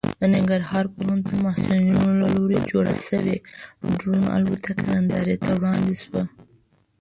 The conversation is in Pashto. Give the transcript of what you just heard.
د ننګرهار پوهنتون محصلینو له لوري جوړه شوې ډرون الوتکه نندارې ته وړاندې شوه.